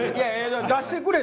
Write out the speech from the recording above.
出してくれ！